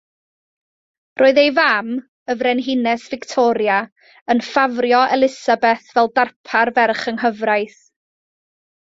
Roedd ei fam, y Frenhines Victoria, yn ffafrio Elisabeth fel darpar ferch-yng-nghyfraith.